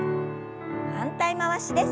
反対回しです。